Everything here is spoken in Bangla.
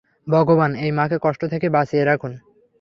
ভগবান, এই মাকে কষ্ট থেকে বাঁচিয়ে রাখুন।